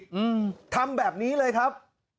อืมทำแบบนี้เลยครับ